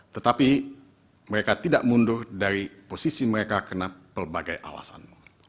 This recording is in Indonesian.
tetapi mereka tidak mundur dari posisi mereka kena pelbagai alasan